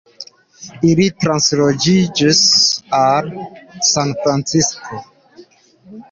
Ili transloĝiĝis al Sanfrancisko.